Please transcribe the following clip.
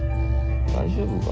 大丈夫か？